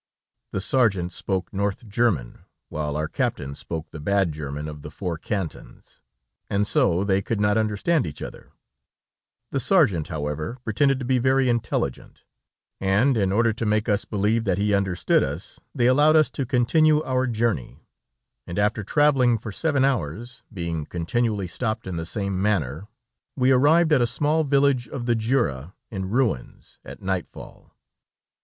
The sergeant spoke North German, while our captain spoke the bad German of the Four Cantons, and so they could not understand each other; the sergeant, however, pretended to be very intelligent, and in order to make us believe that he understood us, they allowed us to continue our journey, and after traveling for seven hours, being continually stopped in the same manner, we arrived at a small village of the Jura, in ruins, at nightfall.